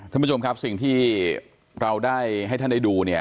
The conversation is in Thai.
ท่านผู้ชมครับสิ่งที่เราได้ให้ท่านได้ดูเนี่ย